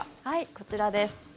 こちらです。